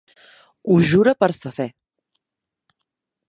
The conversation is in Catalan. Ho jura per sa fe.